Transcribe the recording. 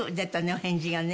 お返事がね。